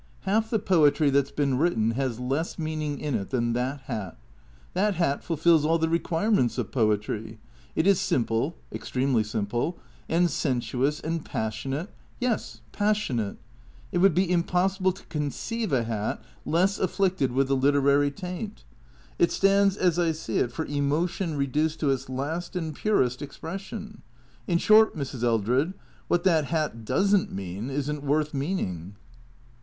Half the poetry that 's been written has less meaning in it than that hat. That hat fulfills all the requirements of poetry. It is simple — extremely simple — and sensuous and passionate. Yes, passionate. It would be impossible to conceive a hat less afflicted with the literary taint. It stands, as I see it, for emo tion reduced to its last and purest expression. In short, Mrs. Eldred, what that hat does n't mean is n't worth meaning."